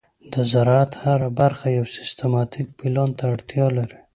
د زراعت هره برخه یو سیستماتيک پلان ته اړتیا لري.